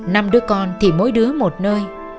năm đứa con thì mỗi đứa một nơi